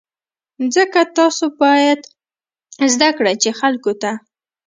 ځکه تاسو باید زده کړئ چې خلکو ته.